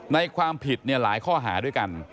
ในความผิดหลายข้อหาด้วยกัน